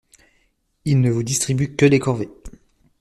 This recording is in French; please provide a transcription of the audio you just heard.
Il ne vous distribue que les corvées.